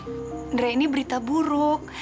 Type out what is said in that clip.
andre ini berita buruk